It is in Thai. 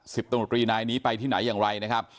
สิบตะโนตรีนายนี้ไปที่ไหนอย่างไรนะครับ